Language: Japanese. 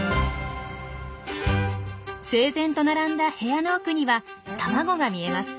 整然と並んだ部屋の奥には卵が見えます。